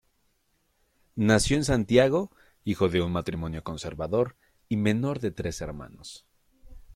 Nació en Santiago, hijo de un matrimonio conservador y menor de tres hermanos.